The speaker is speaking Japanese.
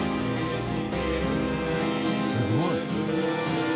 すごい。